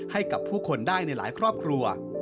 ให้กับผู้คนได้ในหลายครอบครัว